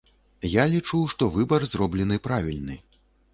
Я лічу, што выбар зроблены правільны.